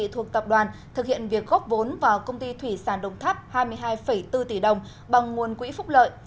thuộc tập đoàn thực hiện việc góp vốn vào công ty thủy sản đồng tháp hai mươi hai bốn tỷ đồng bằng nguồn quỹ phúc lợi